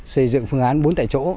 xây dựng phương án bốn tại chỗ